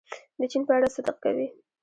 د چین په اړه صدق کوي.